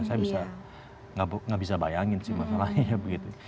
saya bisa gak bisa bayangin sih masalahnya ya begitu